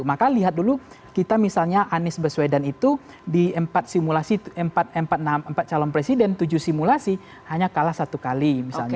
maka lihat dulu kita misalnya anies baswedan itu di empat simulasi empat calon presiden tujuh simulasi hanya kalah satu kali misalnya